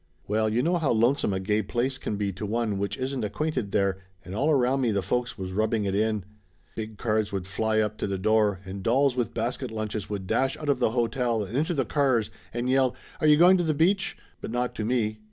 Well, you know how lonesome a gay place can be to one which isn't acquainted there, and all around me the folks was rubbing it in. Big cars would fly up to the door and dolls with basket lunches would dash out of the hotel and into the cars and yell, "Are you going to the beach?" but not to me.